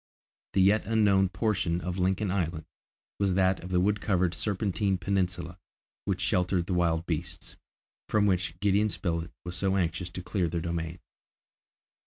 The yet unknown portion of Lincoln Island was that of the wood covered Serpentine Peninsula, which sheltered the wild beasts, from which Gideon Spilett was so anxious to clear their domain.